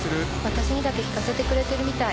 私にだけ聴かせてくれてるみたい。